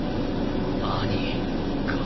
兄か